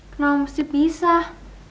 kenapa mesti pisah